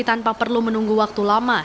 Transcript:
tanpa perlu menunggu waktu lama